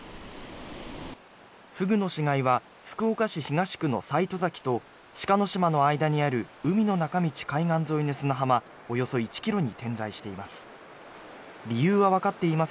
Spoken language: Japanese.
フグの死骸は福岡市東区の西戸崎と志賀島の間にある海の中道海岸沿いの砂浜およそ１ｋｍに点在しています。